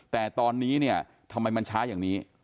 แต่ตอนนี้เนี่ยทำไมมันช้าอย่างนี้